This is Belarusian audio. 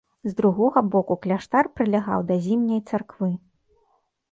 З другога боку кляштар прылягаў да зімняй царквы.